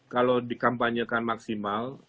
kalau dikampanyekan maksimal